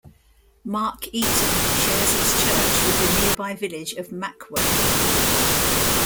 Markeaton shares its church with the nearby village of Mackworth.